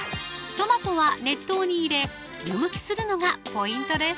トマトは熱湯に入れ湯むきするのがポイントです